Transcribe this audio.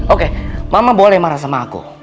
oke mama boleh marah sama aku